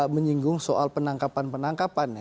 menyinggung soal penangkapan penangkapan